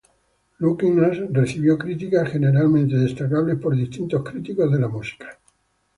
Lookin Ass recibió críticas generalmente destacables por distintos críticos de la música.